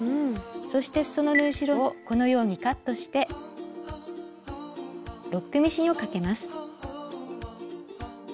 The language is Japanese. そしてすその縫い代をこのようにカットしてロックミシンをかけます。